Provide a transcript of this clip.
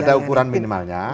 tidak ada ukuran minimalnya